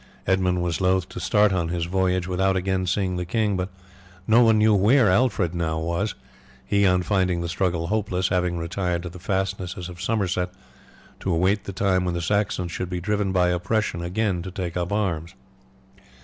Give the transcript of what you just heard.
Edmund was loath to start on his voyage without again seeing the king, but no one knew where Alfred now was, he, on finding the struggle hopeless, having retired to the fastnesses of Somerset to await the time when the Saxons should be driven by oppression again to take up arms.